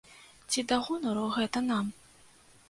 Ці да гонару гэта нам?